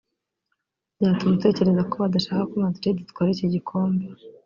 Byatuma utekereza ko badashaka ko Madrid itwara iki gikombe